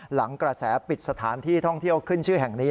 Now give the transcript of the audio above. หลังกระแสปิดสถานที่ท่องเที่ยวขึ้นชื่อแห่งนี้